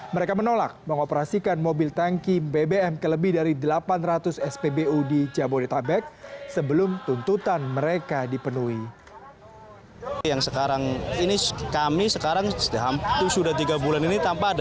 mereka menolak mengoperasikan mobil tanki bbm ke lebih dari delapan ratus spbu di jabodetabek sebelum tuntutan mereka dipenuhi